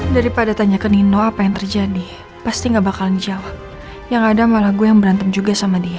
daripada tanya ke ni noh apa yang terjadi pasti nggak bakal menjawab yang ada malah gue berantem juga sama dia